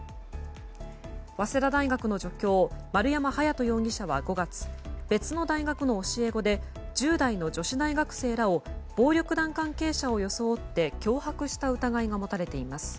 早稲田大学の助教丸山隼人容疑者は５月別の大学の教え子で１０代の女子大学生らを暴力団関係者を装って脅迫した疑いが持たれています。